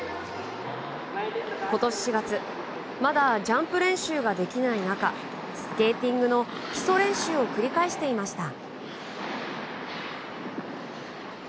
今年４月まだジャンプ練習ができない中スケーティングの基礎練習を繰り返していました。